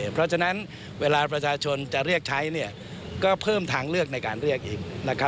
เพราะฉะนั้นเวลาประชาชนจะเรียกใช้ก็เพิ่มทางเลือกในการเรียกเอง